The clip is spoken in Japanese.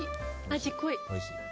味濃い。